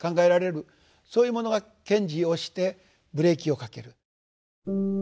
そういうものが賢治をしてブレーキをかける。